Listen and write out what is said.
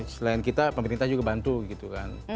selain kita pemerintah juga bantu gitu kan